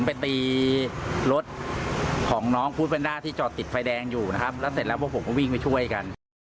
ไปตีรถของน้องภูตเวนด้าที่จอดติดไฟแดงอยู่นะครับแล้วเสร็จแล้วพวกผมก็วิ่งไปช่วยกัน